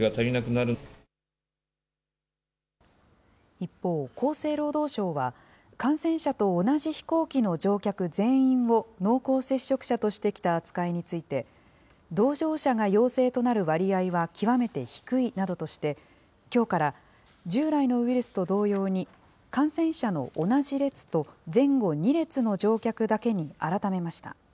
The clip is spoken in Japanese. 一方、厚生労働省は、感染者と同じ飛行機の乗客全員を濃厚接触者としてきた扱いについて、同乗者が陽性となる割合は極めて低いなどとして、きょうから、従来のウイルスと同様に、感染者の同じ列と前後２列の乗客だけに改めました。